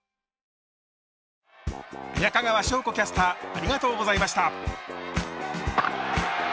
中川翔子キャスターありがとうございました。